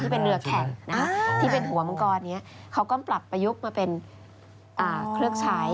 เป็นเรือแข่งนะที่เป็นหัวมังกรนี้เขาก็ปรับประยุกต์มาเป็นเครื่องใช้